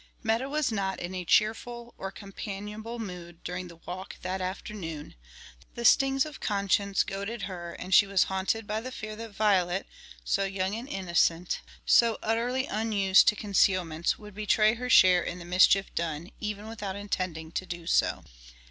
Meta was not in a cheerful or companionable mood during the walk that afternoon; the stings of conscience goaded her and she was haunted by the fear that Violet, so young and innocent, so utterly unused to concealments, would betray her share in the mischief done, even without intending to do so.